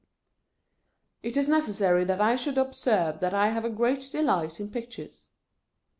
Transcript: It is necessary that I should observe that I have a great delight in pictures.